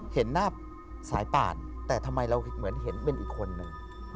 เห็นหน้าสายป่านแต่ทำไมเราเหมือนเห็นเป็นอีกคนนึง